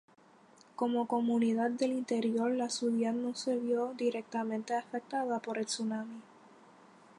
Como comunidad del interior, la ciudad no se vio directamente afectada por el tsunami.